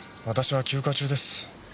私は休暇中です。